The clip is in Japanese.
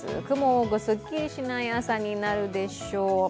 雲がすっきりしない朝になるでしょう。